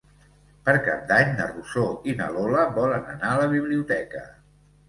Per Cap d'Any na Rosó i na Lola volen anar a la biblioteca.